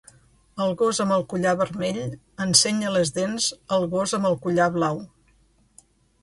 El gos amb el collar vermell ensenya les dents al gos amb el collar blau.